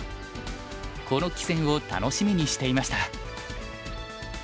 この棋戦を楽しみにしていました。